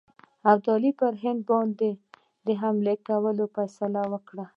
ابدالي پر هند باندي د حملې کولو فیصله وکړه.